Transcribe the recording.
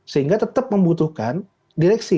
sehingga tetap membutuhkan direksi